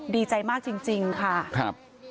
ดีใจมากจริงค่ะ